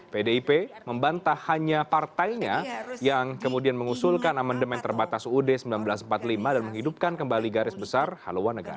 pdip membantah hanya partainya yang kemudian mengusulkan amendement terbatas uud seribu sembilan ratus empat puluh lima dan menghidupkan kembali garis besar haluan negara